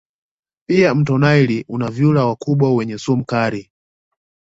Pia mto naili una vyura wakubwa wenye sumu kali